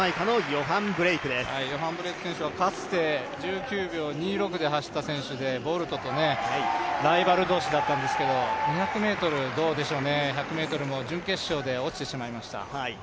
ヨハン・ブレイク選手はかつて１９秒２６で走った選手でボルトとライバル同士だったんですけれども、２００ｍどうでしょうね、１００ｍも準決勝で落ちてしまいました。